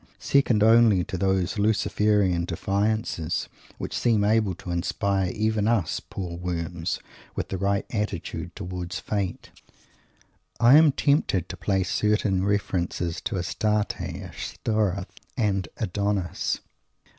Second only to those Luciferan defiances, which seem able to inspire even us poor worms with the right attitude towards Fate, I am tempted to place certain references to Astarte, Ashtoreth and Adonis.